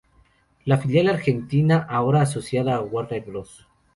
La filial argentina, ahora asociada a Warner Bros.